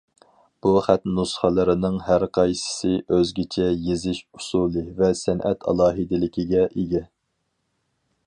بۇ خەت نۇسخىلىرىنىڭ ھەر قايسىسى ئۆزگىچە يېزىش ئۇسۇلى ۋە سەنئەت ئالاھىدىلىكىگە ئىگە.